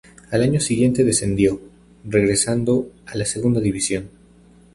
Al año siguiente descendió, regresando a la Segunda División.